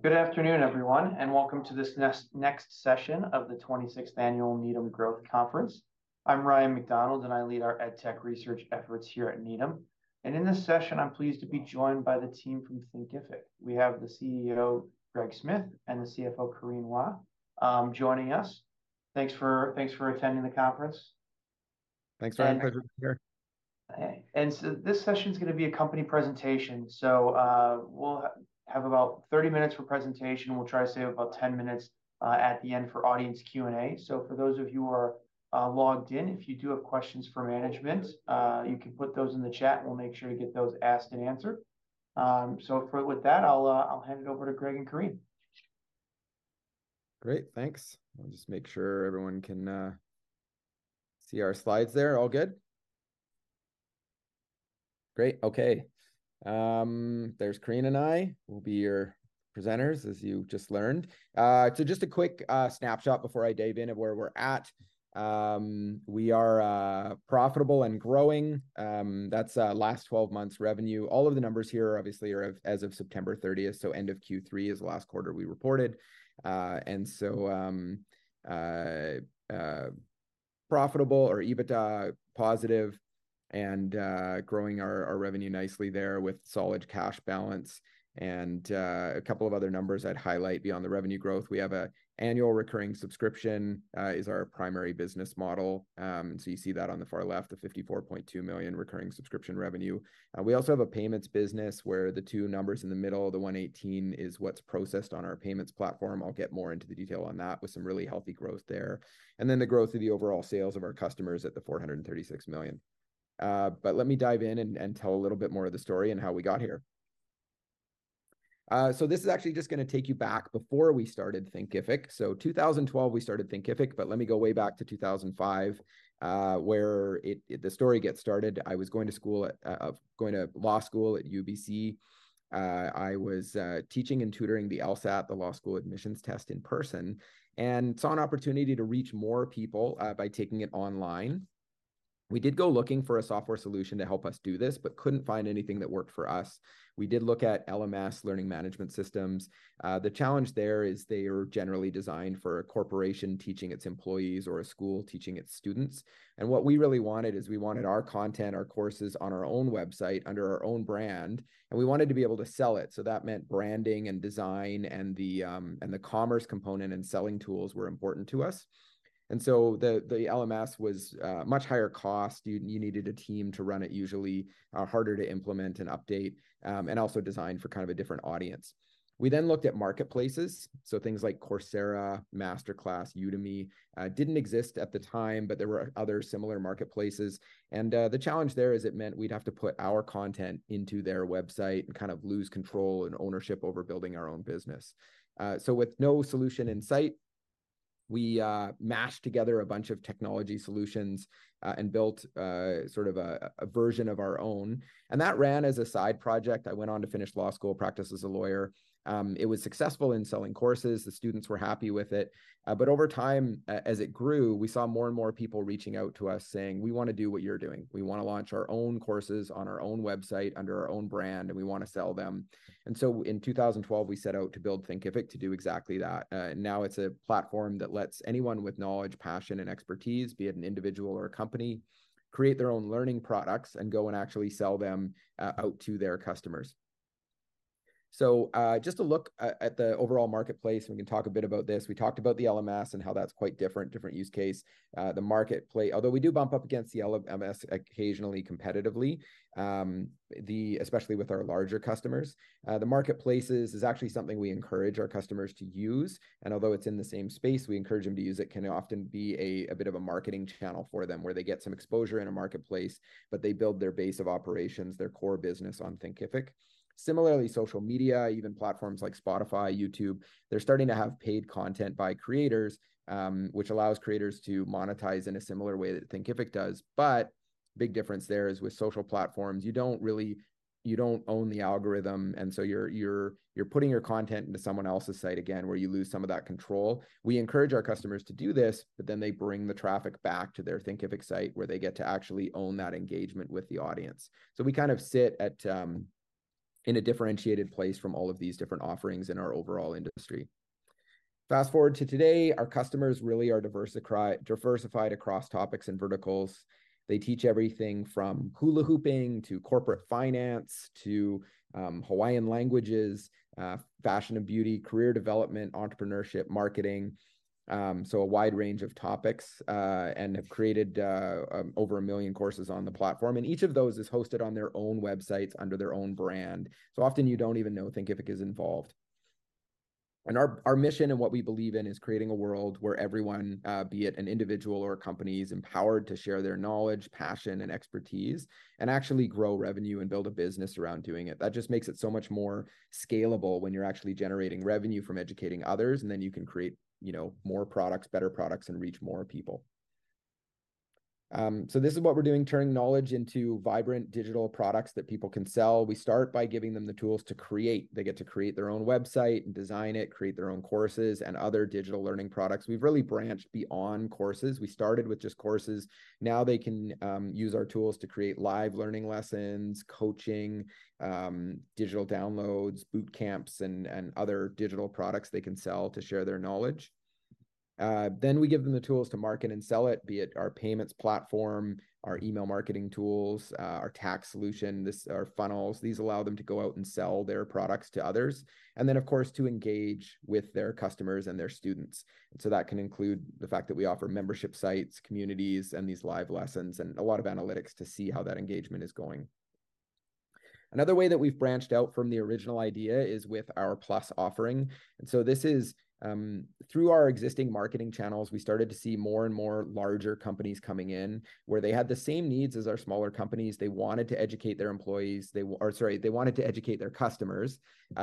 Good afternoon, everyone, and welcome to this next session of the 26th Annual Needham Growth Conference. I'm Ryan MacDonald, and I lead our edtech research efforts here at Needham. In this session, I'm pleased to be joined by the team from Thinkific. We have the CEO, Greg Smith, and the CFO, Corinne Hua, joining us. Thanks for attending the conference. Thanks, Ryan. Pleasure to be here. This session is gonna be a company presentation. We'll have about 30 minutes for presentation. We'll try to save about 10 minutes at the end for audience Q&A. For those of you who are logged in, if you do have questions for management, you can put those in the chat, and we'll make sure to get those asked and answered. With that, I'll hand it over to Greg and Corinne. Great, thanks. I'll just make sure everyone can see our slides there. All good? Great. Okay. There's Corinne and I. We'll be your presenters, as you just learned. So just a quick snapshot before I dive in at where we're at. We are profitable and growing. That's last 12 months revenue. All of the numbers here, obviously, are of, as of September 30, so end of Q3 is the last quarter we reported. And so profitable or EBITDA positive and growing our revenue nicely there with solid cash balance. And a couple of other numbers I'd highlight beyond the revenue growth. We have an annual recurring subscription is our primary business model. So you see that on the far left, the 54.2 million recurring subscription revenue. We also have a payments business, where the two numbers in the middle, the 118, is what's processed on our payments platform. I'll get more into the detail on that with some really healthy growth there. And then the growth of the overall sales of our customers at the $436 million. But let me dive in and tell a little bit more of the story and how we got here. So this is actually just gonna take you back before we started Thinkific. So 2012, we started Thinkific, but let me go way back to 2005, where it, the story gets started. I was going to school, going to law school at UBC. I was teaching and tutoring the LSAT, the Law School Admissions Test, in person, and saw an opportunity to reach more people by taking it online. We did go looking for a software solution to help us do this but couldn't find anything that worked for us. We did look at LMS, learning management systems. The challenge there is they are generally designed for a corporation teaching its employees or a school teaching its students, and what we really wanted is we wanted our content, our courses on our own website, under our own brand, and we wanted to be able to sell it. So that meant branding and design, and the commerce component and selling tools were important to us. And so the LMS was much higher cost. You needed a team to run it usually, harder to implement and update, and also designed for kind of a different audience. We then looked at marketplaces, so things like Coursera, MasterClass, Udemy. Didn't exist at the time, but there were other similar marketplaces, and the challenge there is it meant we'd have to put our content into their website and kind of lose control and ownership over building our own business. So with no solution in sight, we mashed together a bunch of technology solutions, and built sort of a version of our own, and that ran as a side project. I went on to finish law school, practice as a lawyer. It was successful in selling courses. The students were happy with it. But over time, as it grew, we saw more and more people reaching out to us, saying: "We wanna do what you're doing. We wanna launch our own courses on our own website, under our own brand, and we wanna sell them." And so in 2012, we set out to build Thinkific to do exactly that. Now it's a platform that lets anyone with knowledge, passion, and expertise, be it an individual or a company, create their own learning products and go and actually sell them out to their customers. So, just to look at the overall marketplace, and we can talk a bit about this. We talked about the LMS and how that's quite different, different use case. The marketplace... Although we do bump up against the LMS occasionally competitively, especially with our larger customers, the marketplaces is actually something we encourage our customers to use, and although it's in the same space, we encourage them to use it. It can often be a bit of a marketing channel for them, where they get some exposure in a marketplace, but they build their base of operations, their core business on Thinkific. Similarly, social media, even platforms like Spotify, YouTube, they're starting to have paid content by creators, which allows creators to monetize in a similar way that Thinkific does. But big difference there is with social platforms, you don't really own the algorithm, and so you're putting your content into someone else's site again, where you lose some of that control. We encourage our customers to do this, but then they bring the traffic back to their Thinkific site, where they get to actually own that engagement with the audience. So we kind of sit at, in a differentiated place from all of these different offerings in our overall industry. Fast-forward to today, our customers really are diversified across topics and verticals. They teach everything from hula hooping to corporate finance to Hawaiian languages, fashion and beauty, career development, entrepreneurship, marketing, so a wide range of topics, and have created over 1 million courses on the platform, and each of those is hosted on their own websites under their own brand. So often, you don't even know Thinkific is involved. Our mission and what we believe in is creating a world where everyone, be it an individual or a company, is empowered to share their knowledge, passion, and expertise and actually grow revenue and build a business around doing it. That just makes it so much more scalable when you're actually generating revenue from educating others, and then you can create more products, better products, and reach more people. This is what we're doing, turning knowledge into vibrant digital products that people can sell. We start by giving them the tools to create. They get to create their own website, design it, create their own courses and other digital learning products. We've really branched beyond courses. We started with just courses. Now they can use our tools to create live learning lessons, coaching, digital downloads, boot camps, and other digital products they can sell to share their knowledge. Then we give them the tools to market and sell it, be it our payments platform, our email marketing tools, our tax solution, our funnels. These allow them to go out and sell their products to others, and then, of course, to engage with their customers and their students. So that can include the fact that we offer membership sites, communities, and these live lessons, and a lot of analytics to see how that engagement is going. Another way that we've branched out from the original idea is with our Plus offering, and so this is, through our existing marketing channels, we started to see more and more larger companies coming in, where they had the same needs as our smaller companies. They wanted to educate their employees. Or sorry, they wanted to educate their customers,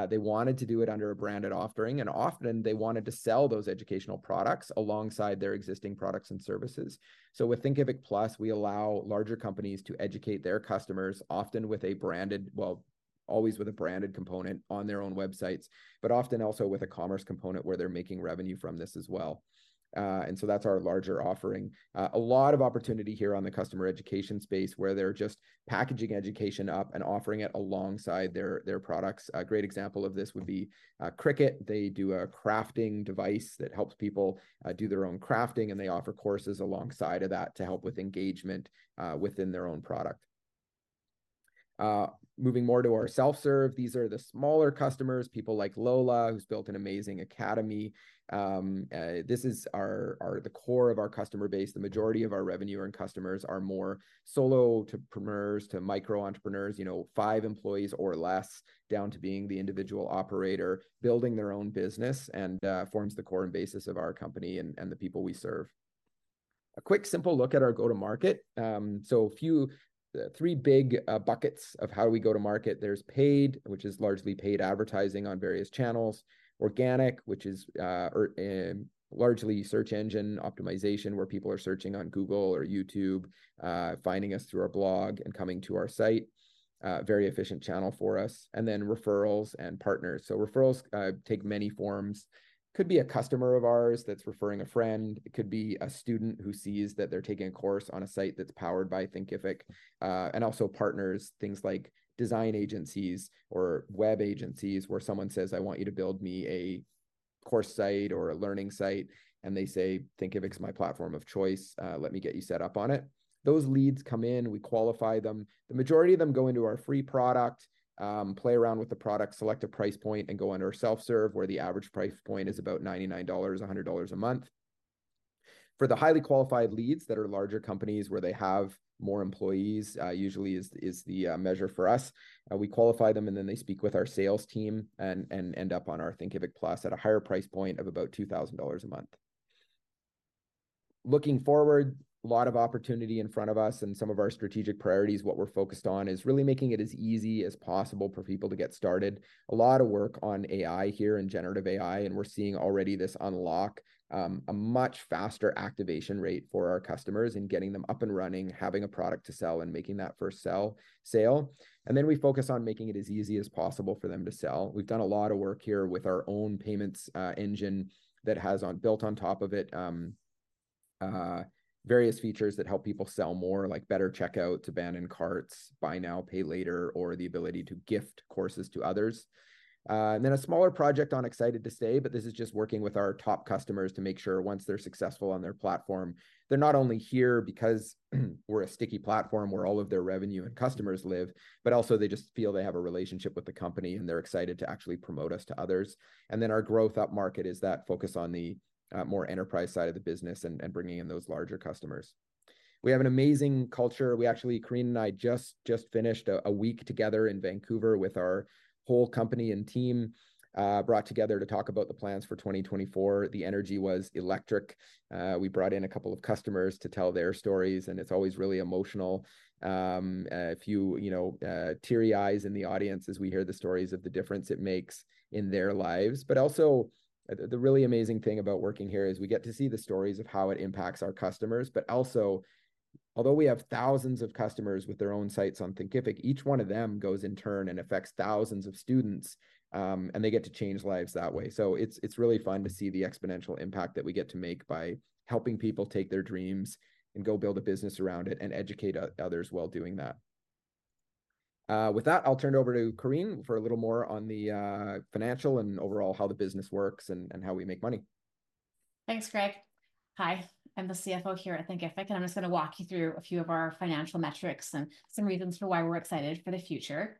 they wanted to do it under a branded offering, and often they wanted to sell those educational products alongside their existing products and services. So with Thinkific Plus, we allow larger companies to educate their customers, often with a branded... well, always with a branded component on their own websites, but often also with a commerce component, where they're making revenue from this as well. And so that's our larger offering. A lot of opportunity here on the customer education space, where they're just packaging education up and offering it alongside their products. A great example of this would be Cricut. They do a crafting device that helps people do their own crafting, and they offer courses alongside of that to help with engagement within their own product. Moving more to our self-serve, these are the smaller customers, people like Lola, who's built an amazing academy. This is the core of our customer base. The majority of our revenue and customers are more solopreneurs to micro entrepreneurs five employees or less, down to being the individual operator building their own business, and forms the core and basis of our company and the people we serve. A quick, simple look at our go-to-market. So three big buckets of how we go to market. There's paid, which is largely paid advertising on various channels; organic, which is largely search engine optimization, where people are searching on Google or YouTube, finding us through our blog and coming to our site, a very efficient channel for us; and then referrals and partners. So referrals take many forms, could be a customer of ours that's referring a friend. It could be a student who sees that they're taking a course on a site that's powered by Thinkific, and also partners, things like design agencies or web agencies, where someone says, "I want you to build me a course site or a learning site," and they say, "Thinkific's my platform of choice, let me get you set up on it." Those leads come in, we qualify them. The majority of them go into our free product, play around with the product, select a price point, and go under our self-serve, where the average price point is about $99, $100 a month. For the highly qualified leads that are larger companies, where they have more employees, usually is the measure for us. We qualify them, and then they speak with our sales team and end up on our Thinkific Plus at a higher price point of about 2,000 dollars a month. Looking forward, a lot of opportunity in front of us and some of our strategic priorities. What we're focused on is really making it as easy as possible for people to get started. A lot of work on AI here and generative AI, and we're seeing already this unlock a much faster activation rate for our customers and getting them up and running, having a product to sell, and making that first sale. Then we focus on making it as easy as possible for them to sell. We've done a lot of work here with our own payments engine that has on built on top of it various features that help people sell more, like better checkout to abandoned carts, buy now, pay later, or the ability to gift courses to others. And then a smaller project I'm excited to say, but this is just working with our top customers to make sure once they're successful on their platform, they're not only here because we're a sticky platform where all of their revenue and customers live, but also they just feel they have a relationship with the company, and they're excited to actually promote us to others. And then our growth up market is that focus on the more enterprise side of the business and, and bringing in those larger customers. We have an amazing culture. We actually, Corinne and I just finished a week together in Vancouver with our whole company and team, brought together to talk about the plans for 2024. The energy was electric. We brought in a couple of customers to tell their stories, and it's always really emotional. A few teary eyes in the audience as we hear the stories of the difference it makes in their lives. But also, the really amazing thing about working here is we get to see the stories of how it impacts our customers, but also, although we have thousands of customers with their own sites on Thinkific, each one of them goes in turn and affects thousands of students, and they get to change lives that way. So it's, it's really fun to see the exponential impact that we get to make by helping people take their dreams and go build a business around it and educate others while doing that. With that, I'll turn it over to Corinne for a little more on the financial and overall how the business works and how we make money. Thanks, Greg. Hi, I'm the CFO here at Thinkific, and I'm just gonna walk you through a few of our financial metrics and some reasons for why we're excited for the future.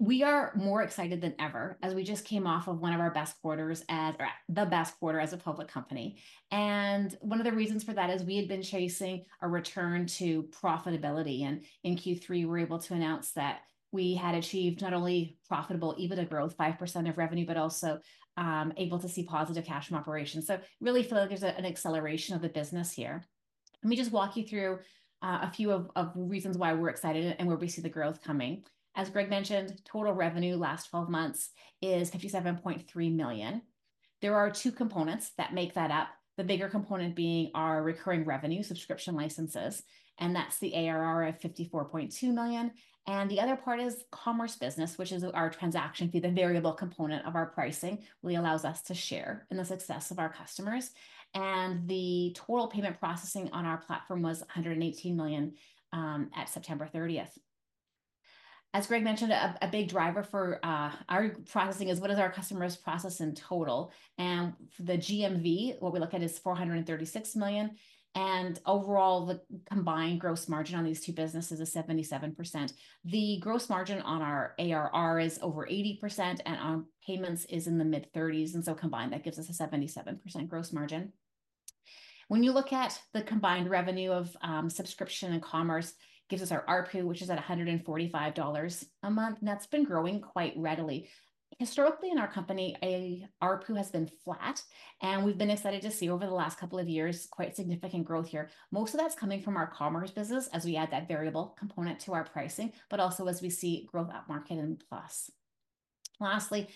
We are more excited than ever, as we just came off of one of our best quarters or the best quarter as a public company. One of the reasons for that is we had been chasing a return to profitability, and in Q3, we were able to announce that we had achieved not only profitable EBITDA growth, 5% of revenue, but also able to see positive cash from operations. So really feel like there's an acceleration of the business here. Let me just walk you through a few of reasons why we're excited and where we see the growth coming. As Greg mentioned, total revenue last twelve months is $57.3 million. There are two components that make that up, the bigger component being our recurring revenue, subscription licenses, and that's the ARR of $54.2 million. And the other part is commerce business, which is our transaction fee, the variable component of our pricing, really allows us to share in the success of our customers, and the total payment processing on our platform was $118 million at September thirtieth. As Greg mentioned, a big driver for our pricing is what is our customers process in total? And for the GMV, what we look at is $436 million, and overall, the combined gross margin on these two businesses is 77%. The gross margin on our ARR is over 80%, and on payments is in the mid-30s%, and so combined, that gives us a 77% gross margin. When you look at the combined revenue of, subscription and commerce, gives us our ARPU, which is at $145 a month, and that's been growing quite readily. Historically, in our company, a ARPU has been flat, and we've been excited to see over the last couple of years, quite significant growth here. Most of that's coming from our commerce business as we add that variable component to our pricing, but also as we see growth at market and plus. Lastly,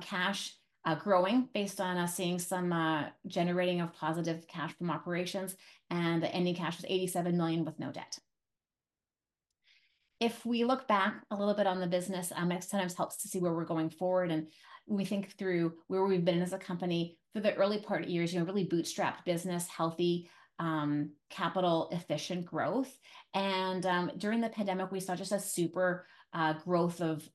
cash growing based on us seeing some generating of positive cash from operations, and the ending cash was $87 million with no debt. If we look back a little bit on the business, it sometimes helps to see where we're going forward, and we think through where we've been as a company. For the early part of years, really bootstrap business, healthy, capital, efficient growth. And, during the pandemic, we saw just a super growth of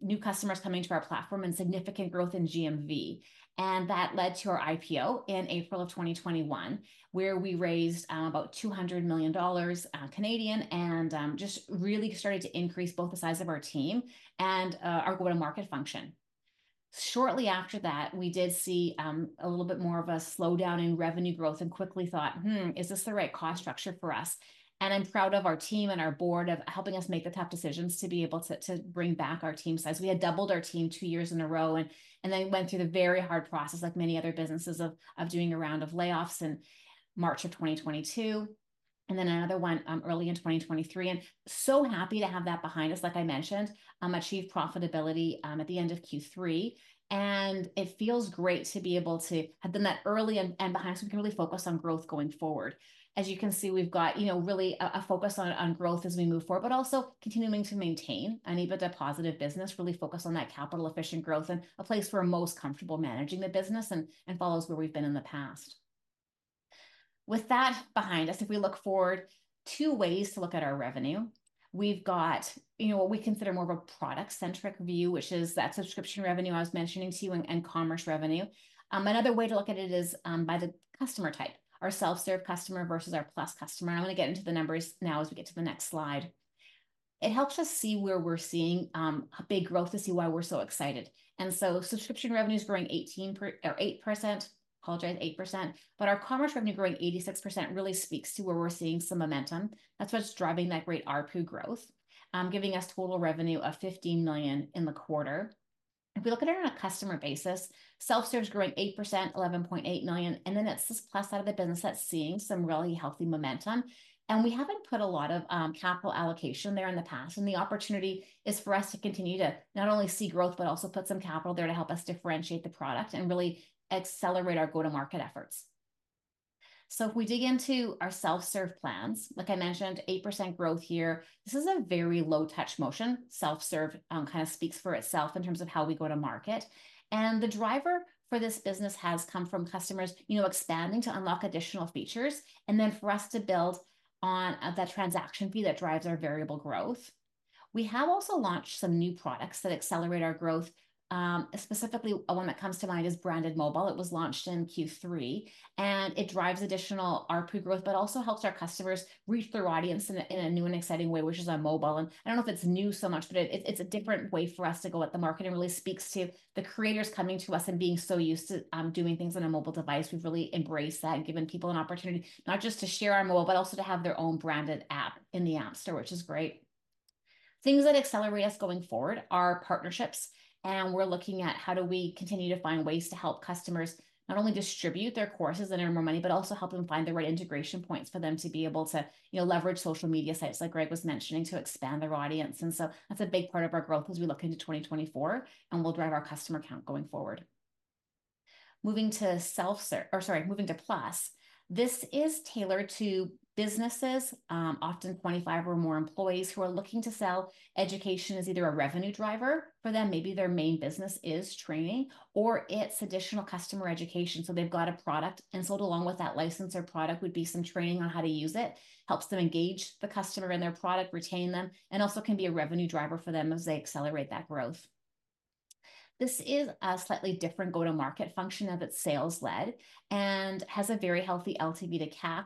new customers coming to our platform and significant growth in GMV. And that led to our IPO in April of 2021, where we raised about 200 million Canadian dollars, and just really started to increase both the size of our team and our go-to-market function. Shortly after that, we did see a little bit more of a slowdown in revenue growth and quickly thought, "Hmm, is this the right cost structure for us?" I'm proud of our team and our board of helping us make the tough decisions to be able to, to bring back our team size. We had doubled our team two years in a row and, and then went through the very hard process, like many other businesses, of, of doing a round of layoffs in March of 2022, and then another one early in 2023. So happy to have that behind us. Like I mentioned, achieve profitability at the end of Q3, and it feels great to be able to have done that early and, and behind so we can really focus on growth going forward. As you can see, we've got really a focus on growth as we move forward, but also continuing to maintain and even the positive business, really focus on that capital-efficient growth and a place where we're most comfortable managing the business and follows where we've been in the past. With that behind us, if we look forward, two ways to look at our revenue. We've got what we consider more of a product-centric view, which is that subscription revenue I was mentioning to you and commerce revenue. Another way to look at it is by the customer type, our self-serve customer versus our plus customer. I want to get into the numbers now as we get to the next slide. It helps us see where we're seeing a big growth to see why we're so excited. Subscription revenue is growing 18%-- or 8%, apologize, 8%, but our commerce revenue growing 86% really speaks to where we're seeing some momentum. That's what's driving that great ARPU growth, giving us total revenue of $15 million in the quarter. If we look at it on a customer basis, self-serve is growing 8%, $11.8 million, and then it's this plus side of the business that's seeing some really healthy momentum. We haven't put a lot of capital allocation there in the past, and the opportunity is for us to continue to not only see growth, but also put some capital there to help us differentiate the product and really accelerate our go-to-market efforts. So if we dig into our self-serve plans, like I mentioned, 8% growth here. This is a very low-touch motion. Self-serve kind of speaks for itself in terms of how we go to market. And the driver for this business has come from customers expanding to unlock additional features, and then for us to build on that transaction fee that drives our variable growth. We have also launched some new products that accelerate our growth. Specifically, one that comes to mind is Branded Mobile. It was launched in Q3, and it drives additional ARPU growth, but also helps our customers reach their audience in a new and exciting way, which is on mobile. And I don't know if it's new so much, but it, it's a different way for us to go at the market and really speaks to the creators coming to us and being so used to doing things on a mobile device. We've really embraced that and given people an opportunity not just to share our mobile, but also to have their own branded app in the app store, which is great. Things that accelerate us going forward are partnerships, and we're looking at how do we continue to find ways to help customers not only distribute their courses and earn more money, but also help them find the right integration points for them to be able to leverage social media sites, like Greg was mentioning, to expand their audience. And so that's a big part of our growth as we look into 2024, and will drive our customer count going forward. Moving to Plus, this is tailored to businesses, often 25 or more employees who are looking to sell education as either a revenue driver for them, maybe their main business is training, or it's additional customer education. So they've got a product, and sold along with that license or product would be some training on how to use it, helps them engage the customer and their product, retain them, and also can be a revenue driver for them as they accelerate that growth. This is a slightly different go-to-market function of its sales lead and has a very healthy LTV to CAC,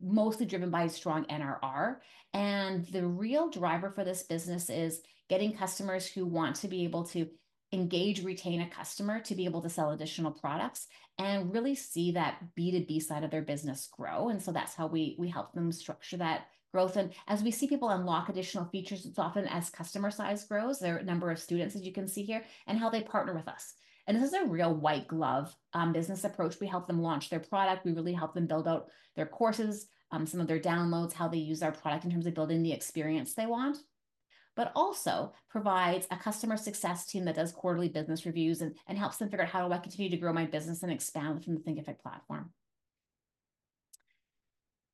mostly driven by strong NRR. The real driver for this business is getting customers who want to be able to engage, retain a customer, to be able to sell additional products and really see that B2B side of their business grow, and so that's how we help them structure that growth. As we see people unlock additional features, it's often as customer size grows, their number of students, as you can see here, and how they partner with us. This is a real white glove business approach. We help them launch their product. We really help them build out their courses, some of their downloads, how they use our product in terms of building the experience they want, but also provides a customer success team that does quarterly business reviews and helps them figure out, how do I continue to grow my business and expand from the Thinkific platform?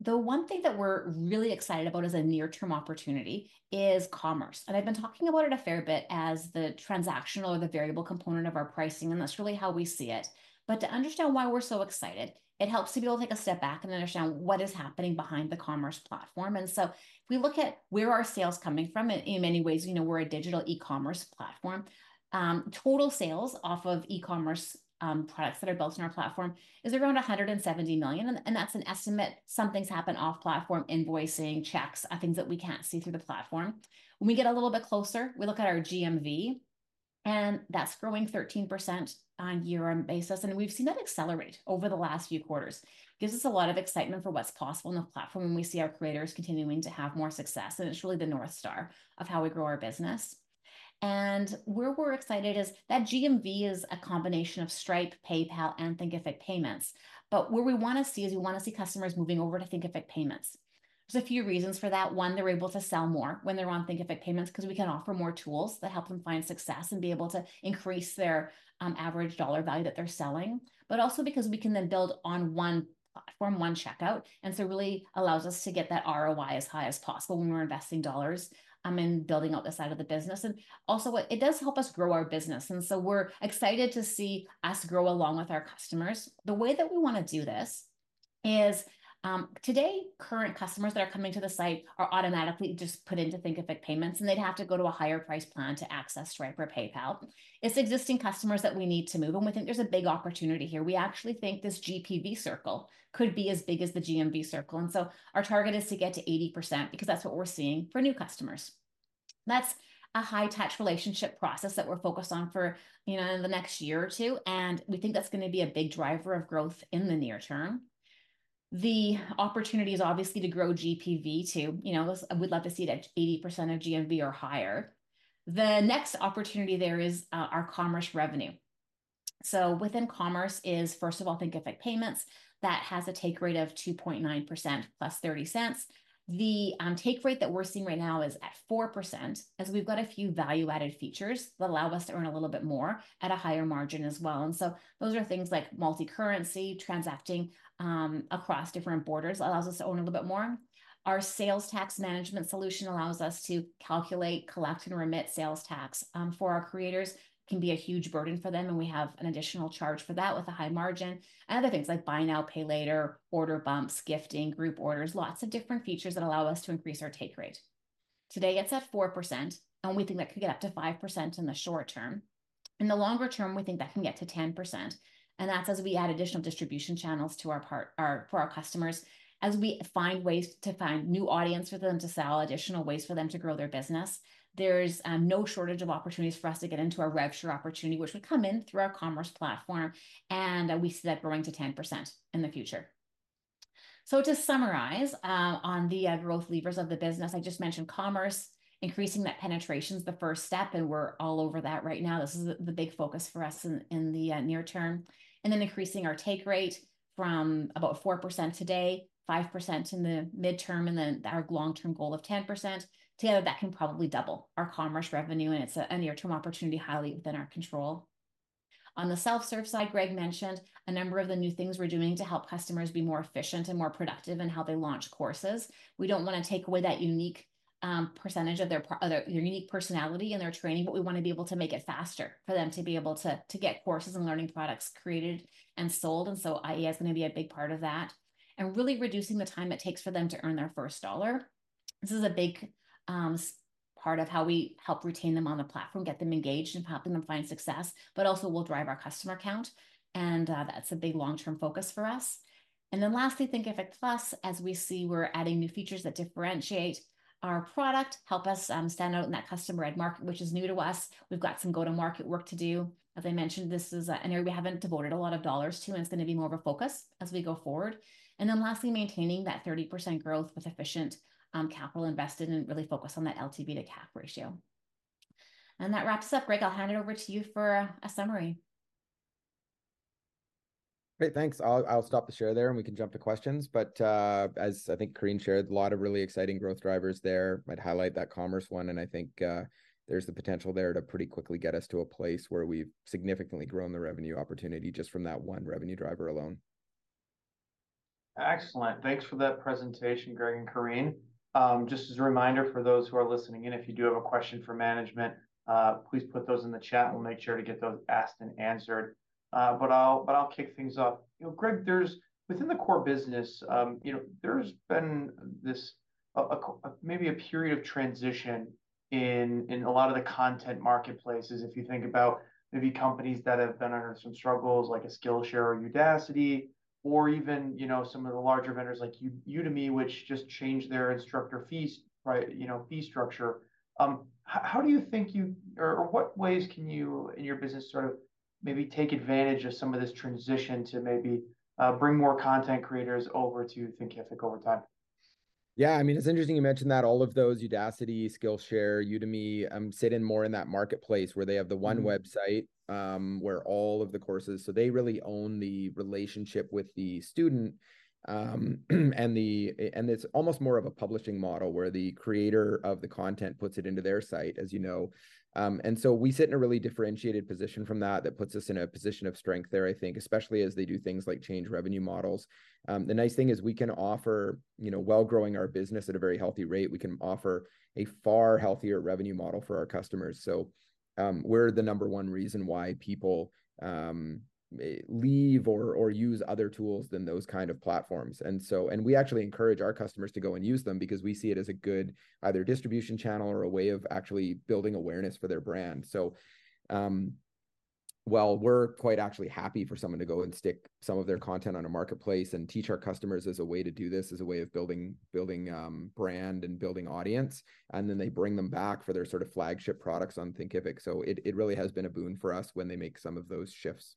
The one thing that we're really excited about as a near-term opportunity is commerce, and I've been talking about it a fair bit as the transactional or the variable component of our pricing, and that's really how we see it. But to understand why we're so excited, it helps to be able to take a step back and understand what is happening behind the commerce platform. And so if we look at where are sales coming from, in many ways we're a digital e-commerce platform. Total sales off of e-commerce products that are built on our platform is around $170 million, and that's an estimate. Some things happen off platform, invoicing, checks, things that we can't see through the platform. When we get a little bit closer, we look at our GMV, and that's growing 13% on a year-on-year basis, and we've seen that accelerate over the last few quarters. Gives us a lot of excitement for what's possible on the platform, and we see our creators continuing to have more success, and it's really the North Star of how we grow our business. And where we're excited is that GMV is a combination of Stripe, PayPal, and Thinkific Payments. But where we wanna see is, we wanna see customers moving over to Thinkific Payments. There's a few reasons for that. One, they're able to sell more when they're on Thinkific Payments 'cause we can offer more tools that help them find success and be able to increase their, average dollar value that they're selling, but also because we can then build on one platform, one checkout, and so it really allows us to get that ROI as high as possible when we're investing dollars, in building out this side of the business. Also, it, it does help us grow our business, and so we're excited to see us grow along with our customers. The way that we wanna do this is, today, current customers that are coming to the site are automatically just put into Thinkific Payments, and they'd have to go to a higher price plan to access Stripe or PayPal. It's existing customers that we need to move, and we think there's a big opportunity here. We actually think this GPV circle could be as big as the GMV circle, and so our target is to get to 80% because that's what we're seeing for new customers. That's a high-touch relationship process that we're focused on for the next year or two, and we think that's gonna be a big driver of growth in the near term. The opportunity is obviously to grow GPV too. This, we'd love to see it at 80% of GMV or higher. The next opportunity there is, our commerce revenue. So within commerce is, first of all, Thinkific Payments. That has a take rate of 2.9% plus $0.30. The take rate that we're seeing right now is at 4%, as we've got a few value-added features that allow us to earn a little bit more at a higher margin as well, and so those are things like multi-currency transacting across different borders allows us to own a little bit more. Our sales tax management solution allows us to calculate, collect, and remit sales tax for our creators. Can be a huge burden for them, and we have an additional charge for that with a high margin. And other things like buy now, pay later, order bumps, gifting, group orders, lots of different features that allow us to increase our take rate. Today, it's at 4%, and we think that could get up to 5% in the short term. In the longer term, we think that can get to 10%, and that's as we add additional distribution channels to our part- or for our customers, as we find ways to find new audience for them, to sell additional ways for them to grow their business. There's no shortage of opportunities for us to get into our rev share opportunity, which would come in through our commerce platform, and we see that growing to 10% in the future. So to summarize, on the growth levers of the business, I just mentioned commerce. Increasing that penetration's the first step, and we're all over that right now. This is the big focus for us in the near term. And then increasing our take rate from about 4% today, 5% in the midterm, and then our long-term goal of 10%. Together, that can probably double our commerce revenue, and it's a near-term opportunity highly within our control. On the self-serve side, Greg mentioned a number of the new things we're doing to help customers be more efficient and more productive in how they launch courses. We don't wanna take away that unique percentage of their unique personality and their training, but we wanna be able to make it faster for them to be able to get courses and learning products created and sold, and so AI is gonna be a big part of that. And really reducing the time it takes for them to earn their first dollar, this is a big part of how we help retain them on the platform, get them engaged, and helping them find success, but also will drive our customer count, and that's a big long-term focus for us. And then lastly, Thinkific Plus, as we see, we're adding new features that differentiate our product, help us stand out in that customer-led market, which is new to us. We've got some go-to-market work to do. As I mentioned, this is an area we haven't devoted a lot of dollars to, and it's gonna be more of a focus as we go forward. And then lastly, maintaining that 30% growth with efficient capital invested and really focus on that LTV to CAC ratio. And that wraps up. Greg, I'll hand it over to you for a summary. Great, thanks. I'll stop the share there, and we can jump to questions, but as I think Corinne shared, a lot of really exciting growth drivers there. I'd highlight that commerce one, and I think there's the potential there to pretty quickly get us to a place where we've significantly grown the revenue opportunity just from that one revenue driver alone. Excellent. Thanks for that presentation, Greg and Corinne. Just as a reminder for those who are listening in, if you do have a question for management, please put those in the chat, and we'll make sure to get those asked and answered. But I'll kick things off. Greg, within the core business there's been this maybe a period of transition in a lot of the content marketplaces. If you think about maybe companies that have been under some struggles, like a Skillshare or Udacity, or even some of the larger vendors like Udemy, which just changed their instructor fees, right fee structure. How do you think you, or what ways can you, in your business, sort of maybe take advantage of some of this transition to maybe bring more content creators over to Thinkific over time?... Yeah, I mean, it's interesting you mention that. All of those, Udacity, Skillshare, Udemy, sit in more in that marketplace where they have the one- Mm-hmm... website, where all of the courses, so they really own the relationship with the student. And the, and it's almost more of a publishing model, where the creator of the content puts it into their site. And so we sit in a really differentiated position from that, that puts us in a position of strength there, I think, especially as they do things like change revenue models. The nice thing is we can offer while growing our business at a very healthy rate, we can offer a far healthier revenue model for our customers. So, we're the number one reason why people may leave or, or use other tools than those kind of platforms. and we actually encourage our customers to go and use them because we see it as a good either distribution channel or a way of actually building awareness for their brand. So, while we're quite actually happy for someone to go and stick some of their content on a marketplace and teach our customers there's a way to do this, as a way of building brand and building audience, and then they bring them back for their sort of flagship products on Thinkific. So it really has been a boon for us when they make some of those shifts.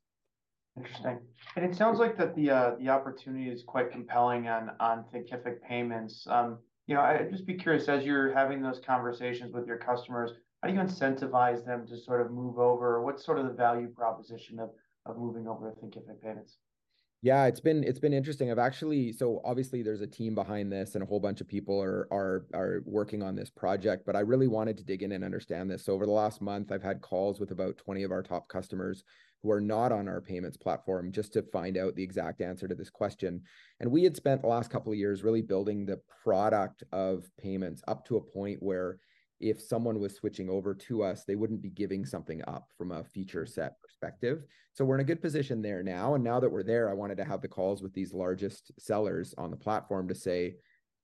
Interesting. And it sounds like the opportunity is quite compelling on Thinkific Payments. I'd just be curious, as you're having those conversations with your customers, how do you incentivize them to sort of move over? What's sort of the value proposition of moving over to Thinkific Payments? Yeah, it's been interesting. I've actually... So obviously, there's a team behind this, and a whole bunch of people are working on this project, but I really wanted to dig in and understand this. So over the last month, I've had calls with about 20 of our top customers who are not on our payments platform, just to find out the exact answer to this question. And we had spent the last couple of years really building the product of payments up to a point where if someone was switching over to us, they wouldn't be giving something up from a feature set perspective. So we're in a good position there now, and now that we're there, I wanted to have the calls with these largest sellers on the platform to say,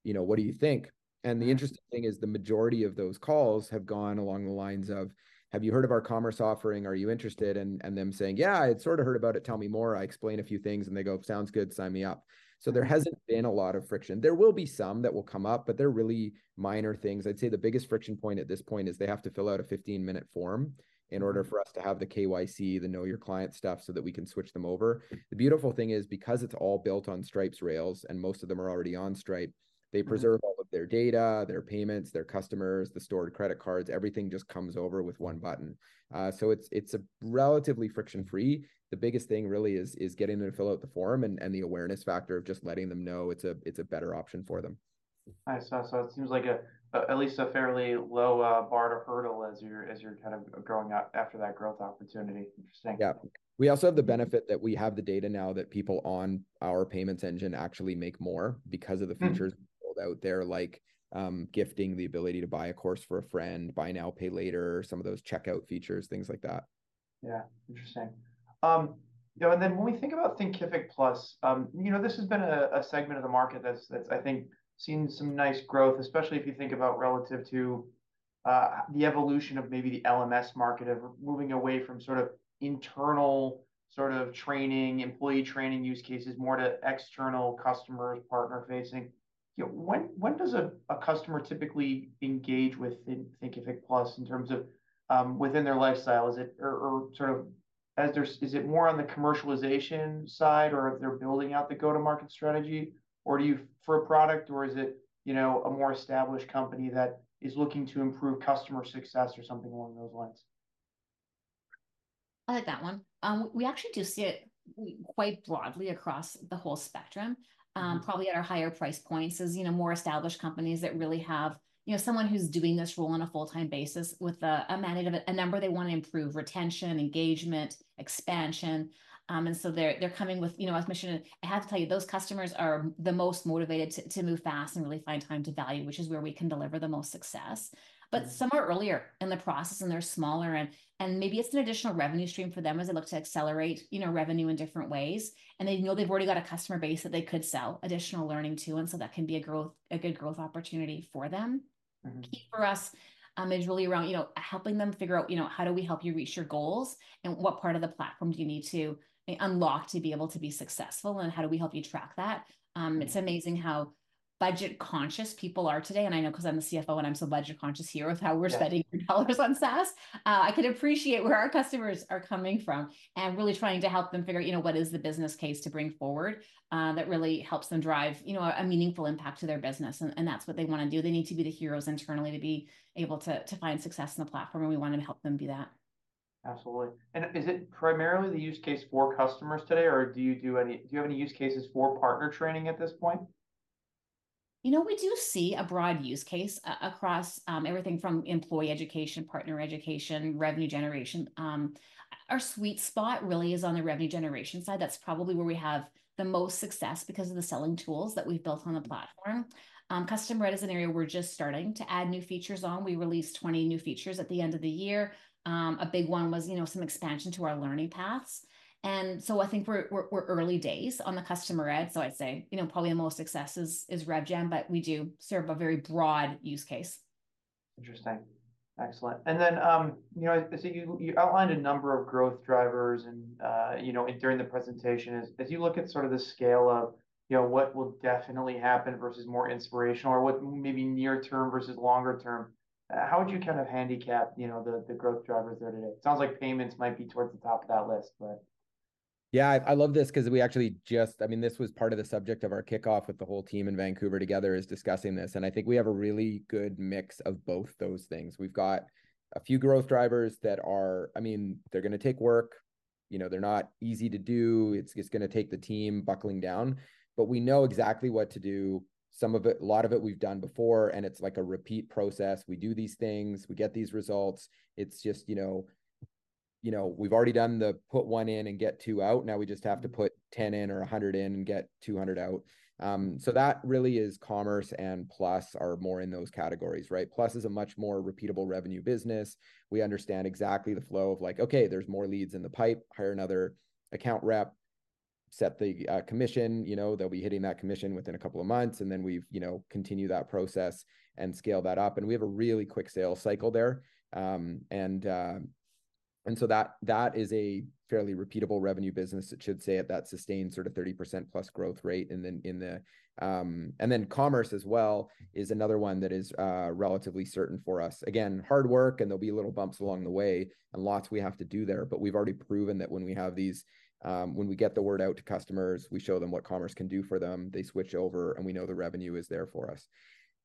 "What do you think? Mm-hmm. And the interesting thing is, the majority of those calls have gone along the lines of, "Have you heard of our commerce offering? Are you interested?" And them saying: Yeah, I'd sort of heard about it. Tell me more. I explain a few things, and they go: Sounds good. Sign me up. Mm-hmm. So there hasn't been a lot of friction. There will be some that will come up, but they're really minor things. I'd say the biggest friction point at this point is they have to fill out a 15-minute form- Mm-hmm... in order for us to have the KYC, the know your client stuff, so that we can switch them over. The beautiful thing is, because it's all built on Stripe's rails and most of them are already on Stripe- Mm-hmm... they preserve all of their data, their payments, their customers, the stored credit cards. Everything just comes over with one button. So it's a relatively friction-free. The biggest thing really is getting them to fill out the form and the awareness factor of just letting them know it's a better option for them. I see. So it seems like at least a fairly low bar to hurdle as you're kind of growing out after that growth opportunity. Interesting. Yeah. We also have the benefit that we have the data now that people on our payments engine actually make more because of the- Hmm... features rolled out there, like, gifting, the ability to buy a course for a friend, buy now, pay later, some of those checkout features, things like that. Yeah. Interesting. And then when we think about Thinkific Plus this has been a segment of the market that's I think seen some nice growth, especially if you think about relative to the evolution of maybe the LMS market, of moving away from sort of internal sort of training, employee training use cases, more to external customers, partner-facing. When does a customer typically engage with Thinkific Plus in terms of within their lifestyle? Is it... Or sort of as they're-- Is it more on the commercialization side, or if they're building out the go-to-market strategy, or is it a more established company that is looking to improve customer success or something along those lines? I like that one. We actually do see it quite broadly across the whole spectrum. Mm-hmm. Probably at our higher price points is more established companies that really have someone who's doing this role on a full-time basis with a mandate of a number they want to improve: retention, engagement, expansion. And so they're coming with as mentioned, I have to tell you, those customers are the most motivated to move fast and really find time to value, which is where we can deliver the most success. Mm-hmm. But some are earlier in the process, and they're smaller, and maybe it's an additional revenue stream for them as they look to accelerate revenue in different ways. And they know they've already got a customer base that they could sell additional learning to, and so that can be a growth, a good growth opportunity for them. Mm-hmm. Key for us, is really around, helping them figure out how do we help you reach your goals, and what part of the platform do you need to unlock to be able to be successful, and how do we help you track that? Mm-hmm. It's amazing how budget-conscious people are today, and I know 'cause I'm the CFO, and I'm so budget-conscious here. Yeah... with how we're spending your dollars on SaaS. I can appreciate where our customers are coming from and really trying to help them figure, what is the business case to bring forward, that really helps them drive a meaningful impact to their business. And that's what they want to do. They need to be the heroes internally to be able to, to find success in the platform, and we want to help them do that. Absolutely. And is it primarily the use case for customers today, or do you have any use cases for partner training at this point? We do see a broad use case across everything from employee education, partner education, revenue generation. Our sweet spot really is on the revenue generation side. That's probably where we have the most success because of the selling tools that we've built on the platform. Customer ed is an area we're just starting to add new features on. We released 20 new features at the end of the year. A big one was some expansion to our learning paths, and so I think we're early days on the customer ed. So I'd say probably the most success is rev gen, but we do serve a very broad use case. Interesting. Excellent. And then, I see you outlined a number of growth drivers and during the presentation. As you look at sort of the scale of what will definitely happen versus more inspirational or what maybe near term versus longer term, how would you kind of handicap the growth drivers there today? It sounds like payments might be towards the top of that list, but...... Yeah, I love this, 'cause we actually just, I mean, this was part of the subject of our kickoff with the whole team in Vancouver together, is discussing this. I think we have a really good mix of both those things. We've got a few growth drivers that are, I mean, they're gonna take work they're not easy to do. It's gonna take the team buckling down, but we know exactly what to do. Some of it, a lot of it we've done before, and it's like a repeat process. We do these things, we get these results. It's just we've already done the put one in and get two out, now we just have to put 10 in or 100 in and get 200 out. So that really is Commerce and Plus are more in those categories, right? Plus is a much more repeatable revenue business. We understand exactly the flow of, like, okay, there's more leads in the pipe, hire another account rep, set the commission. They'll be hitting that commission within a couple of months, and then we've continue that process and scale that up. And we have a really quick sales cycle there. And so that, that is a fairly repeatable revenue business, that should stay at that sustained sort of 30%+ growth rate. And then in the, And then Commerce as well is another one that is relatively certain for us. Again, hard work, and there'll be little bumps along the way, and lots we have to do there. But we've already proven that when we have these, when we get the word out to customers, we show them what commerce can do for them, they switch over, and we know the revenue is there for us.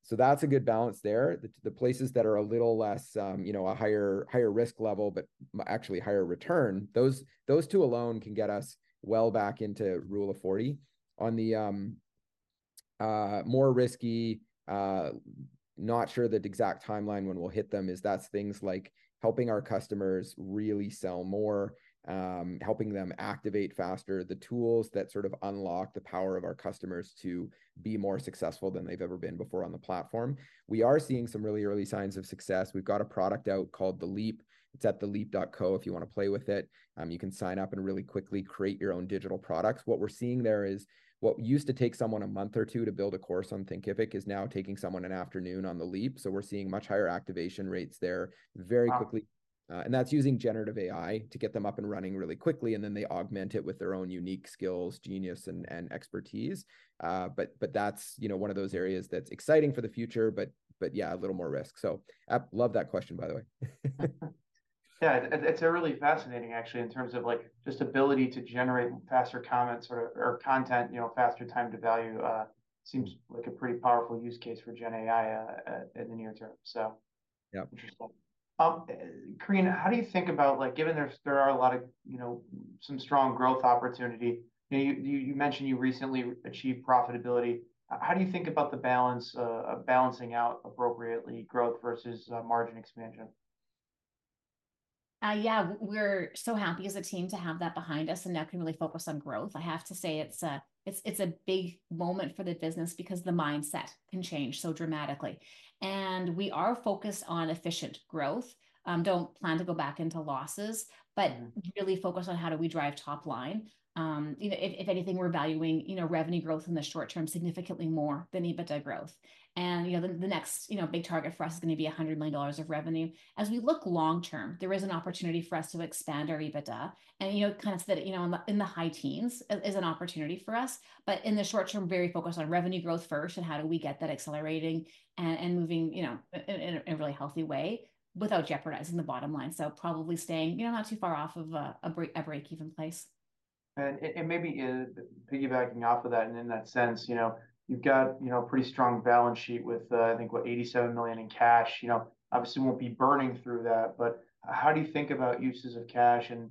So that's a good balance there. The places that are a little less a higher risk level, but actually higher return, those, those two alone can get us well back into Rule of Forty. On the more risky, not sure the exact timeline when we'll hit them, is that's things like helping our customers really sell more, helping them activate faster, the tools that sort of unlock the power of our customers to be more successful than they've ever been before on the platform. We are seeing some really early signs of success. We've got a product out called The Leap. It's at theleap.co if you want to play with it. You can sign up and really quickly create your own digital products. What we're seeing there is what used to take someone a month or two to build a course on Thinkific is now taking someone an afternoon on The Leap. So we're seeing much higher activation rates there very quickly. And that's using generative AI to get them up and running really quickly, and then they augment it with their own unique skills, genius, and, and expertise. But that's one of those areas that's exciting for the future, but yeah, a little more risk. So I love that question, by the way. Yeah, it's a really fascinating actually, in terms of, like, just ability to generate faster comments or content faster time to value, in the near term. So- Yeah Interesting. Corinne, how do you think about, like, given there are a lot of some strong growth opportunity, you mentioned you recently achieved profitability. How do you think about the balance, balancing out appropriately growth versus margin expansion? Yeah, we're so happy as a team to have that behind us and now can really focus on growth. I have to say, it's a big moment for the business because the mindset can change so dramatically. We are focused on efficient growth, don't plan to go back into losses. Mm... but really focused on how do we drive top line. If anything, we're valuing, revenue growth in the short term significantly more than EBITDA growth. And the, the next, big target for us is gonna be $100 million of revenue. As we look long term, there is an opportunity for us to expand our EBITDA and, kind of set it in the high teens is, is an opportunity for us. But in the short term, very focused on revenue growth first and how do we get that accelerating and, and moving in a really healthy way without jeopardizing the bottom line. So probably staying not too far off of a, a break, a break-even place. Maybe, piggybacking off of that, and in that sense, you've got a pretty strong balance sheet with, I think, what, 87 million in cash. Obviously, won't be burning through that, but how do you think about uses of cash and,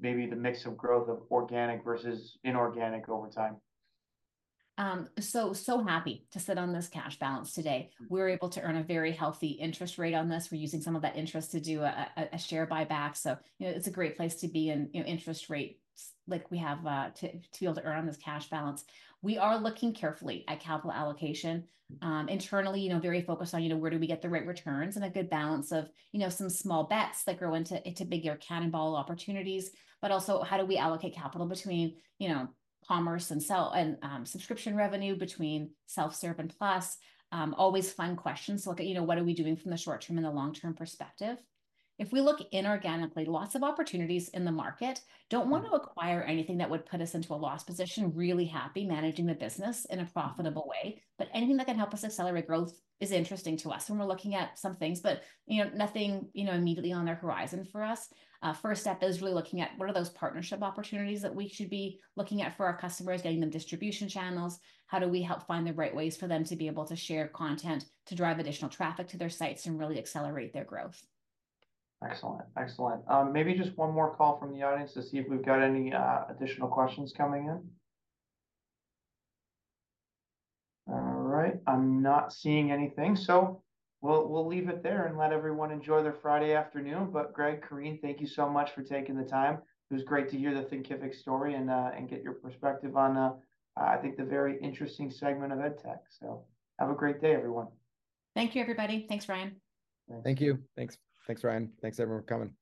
maybe the mix of growth of organic versus inorganic over time? So, so happy to sit on this cash balance today. We're able to earn a very healthy interest rate on this. We're using some of that interest to do a share buyback. So, it's a great place to be in, interest rates like we have to be able to earn on this cash balance. We are looking carefully at capital allocation. Internally, very focused on, where do we get the right returns and a good balance of, some small bets that grow into bigger cannonball opportunities. But also, how do we allocate capital between, Commerce and sales, and subscription revenue between self-serve and Plus, always fun questions to look at, what are we doing from the short term and the long-term perspective. If we look inorganically, lots of opportunities in the market- Mm-hmm. Don't want to acquire anything that would put us into a loss position. Really happy managing the business in a profitable way, but anything that can help us accelerate growth is interesting to us when we're looking at some things, but nothing immediately on the horizon for us. First step is really looking at what are those partnership opportunities that we should be looking at for our customers, getting them distribution channels? How do we help find the right ways for them to be able to share content, to drive additional traffic to their sites and really accelerate their growth? Excellent. Excellent. Maybe just one more call from the audience to see if we've got any additional questions coming in. All right, I'm not seeing anything, so we'll leave it there and let everyone enjoy their Friday afternoon. But Greg, Corinne, thank you so much for taking the time. It was great to hear the Thinkific story and get your perspective on, I think, the very interesting segment of edtech. So have a great day, everyone. Thank you, everybody. Thanks, Ryan. Thank you. Thanks. Thanks, Ryan. Thanks, everyone, for coming.